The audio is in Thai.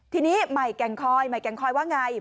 ทีนี้ใหม่แก่งคอยใหม่แก่งคอยว่าไง